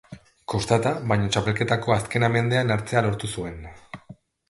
Kostata, baina txapelketako azkena mendean hartzea lortu zuen.